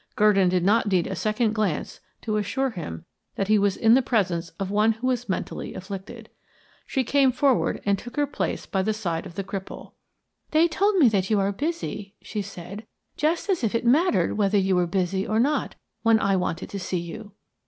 Gurdon did not need a second glance to assure him that he was in the presence of one who was mentally afflicted. She came forward and took her place by the side of the cripple. "They told me that you are busy," she said, "Just as if it mattered whether you were busy or not, when I wanted to see you."